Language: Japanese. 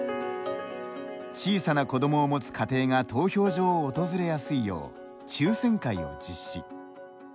小さな子どもを持つ家庭が投票所を訪れやすいよう抽選会を実施。